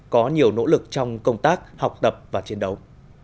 có nhiều nỗ lực trong công tác học tập và chiến đấu